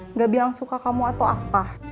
nggak bilang suka kamu atau apa